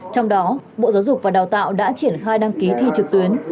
trong đó bộ giáo dục và đào tạo đã triển khai đăng ký thi trực tuyến